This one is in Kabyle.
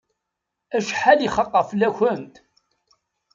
Acḥal i xaqeɣ fell-akent!